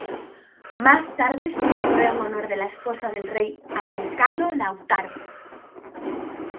Más tarde se nombró en honor de la esposa del rey araucano Lautaro.